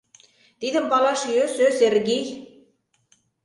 — Тидым палаш йӧсӧ, Сергий!